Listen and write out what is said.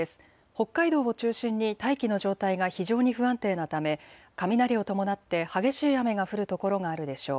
北海道を中心に大気の状態が非常に不安定なため雷を伴って激しい雨が降る所があるでしょう。